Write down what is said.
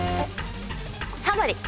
３割！